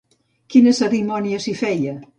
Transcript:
Quina cerimònia s'hi feia?